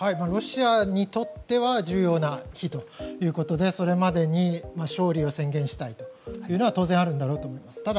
ロシアにとっては重要な日ということでそれまでに勝利を宣言したいということは当然あるんだろうと思います。